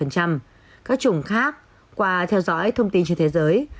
các chủng khác qua theo dõi thông tin trên thế giới